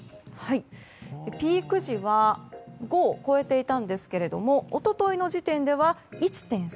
ピーク時は５を超えていたんですけれども一昨日の時点では１．３７。